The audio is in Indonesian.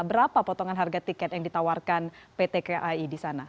berapa potongan harga tiket yang ditawarkan pt kai di sana